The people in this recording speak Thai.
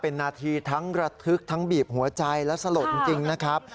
เป็นนาทีทั้งระทึกทั้งบีบหัวใจและสลดจริงนะครับ